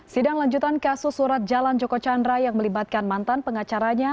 sidang lanjutan kasus surat jalan joko chandra yang melibatkan mantan pengacaranya